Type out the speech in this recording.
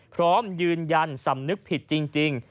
พร้อมยืนยันสำนึกผิดจริง